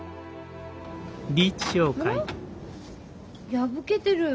破けてる。